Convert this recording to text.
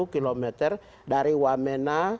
kilometer dari wamena